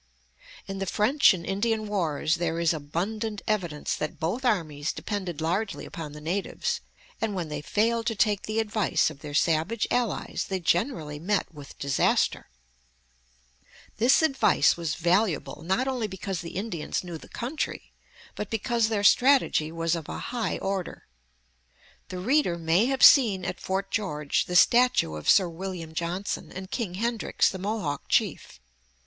In the French and Indian wars there is abundant evidence that both armies depended largely upon the natives, and that when they failed to take the advice of their savage allies they generally met with disaster. This advice was valuable, not only because the Indians knew the country, but because their strategy was of a high order. The reader may have seen at Fort George the statue of Sir William Johnson and King Hendrix, the Mohawk chief.